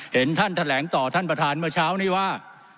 เห็นท่านแถลงต่อท่านประธานเมื่อเช้านี้ว่า